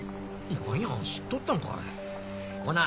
何や知っとったんかいほな